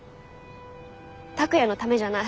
拓哉のためじゃない。